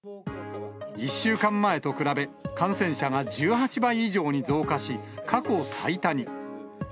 １週間前と比べ、感染者が１８倍以上に増加し、過去最多に。